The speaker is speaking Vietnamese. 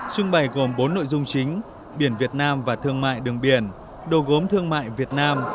trưng bày gồm bốn nội dung chính biển việt nam và thương mại đường biển đồ gốm thương mại việt nam